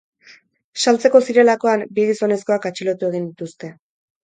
Saltzeko zirelakoan, bi gizonezkoak atxilotu egin dituzte.